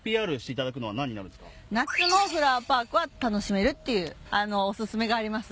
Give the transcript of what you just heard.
夏のフラワーパークは楽しめるっていうお薦めがあります。